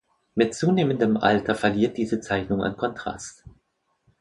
Mit zunehmendem Alter verliert diese Zeichnung an Kontrast.